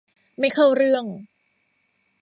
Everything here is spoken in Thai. ไม่เข้าเรื่อง